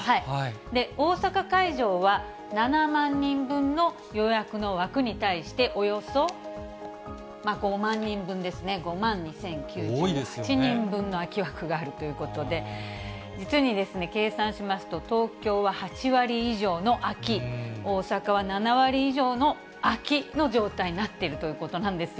大阪会場は、７万人分の予約の枠に対して、およそ５万人分ですね、５万２０９８人分の空き枠があるということで、実に計算しますと、東京は８割以上の空き、大阪は７割以上の空きの状態になっているということなんですよ。